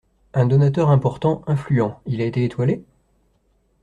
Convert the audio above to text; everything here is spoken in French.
Un donateur important, influent. Il a été étoilé?